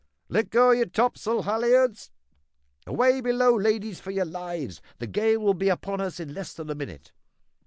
"Let go your topsail halliards! Away below, ladies, for your lives; the gale will be upon us in less than a minute.